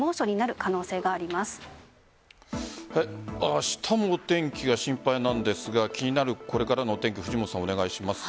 明日もお天気が心配なんですが気になるこれからのお天気藤本さん、お願いします。